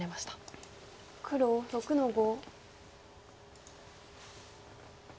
黒６の五。